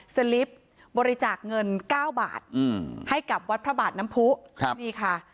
สลิปบริจาคเงินเก้าบาทอืมให้กับวัดพระบาทน้ำผู้ครับนี่ค่ะ